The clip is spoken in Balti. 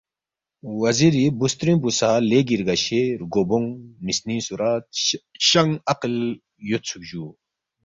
وزیری بُوسترِنگ پو سہ لیگی رگشے رگو بونگ، مِسنِنگ صُورت، شنگ عقل یودسُوک جُو